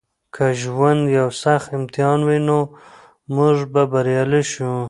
که ژوند یو سخت امتحان وي نو موږ به بریالي شو.